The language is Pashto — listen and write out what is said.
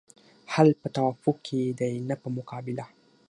حل په توافق کې دی نه په مقابله.